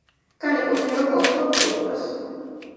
განეკუთვნება კოლხურ კულტურას.